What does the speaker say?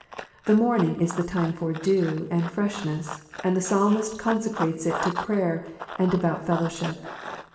The morning is the time for dew and freshness, and the psalmist conseci ates it to prayer and devout fellowship.